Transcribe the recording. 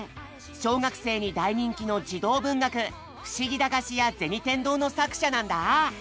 小学生に大人気の児童文学「ふしぎ駄菓子屋銭天堂」の作者なんだ。